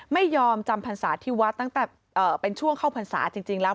ไม่ยอมจำผัญษาที่วัดนั้นแต่เอ่อเป็นช่วงเข้าภัญษาจริงจริงแล้ว